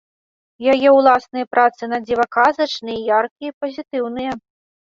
Яе ўласныя працы на дзіва казачныя, яркія, пазітыўныя.